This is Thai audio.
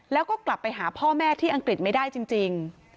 แล้วก็กลับไปหาพ่อแม่ที่อังกฤษไม่ได้จริง